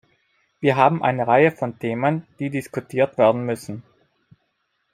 Wir haben eine Reihe von Themen, die diskutiert werden müssen.